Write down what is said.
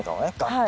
はい。